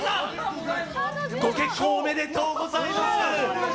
ご結婚おめでとうございます。